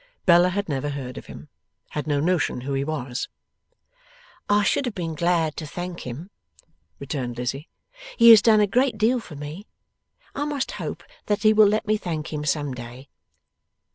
Bella had never heard of him. Had no notion who he was. 'I should have been glad to thank him,' returned Lizzie. 'He has done a great deal for me. I must hope that he will let me thank him some day.